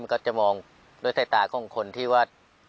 มันก็จะมองด้วยใส่ตากล่องคนที่ว่า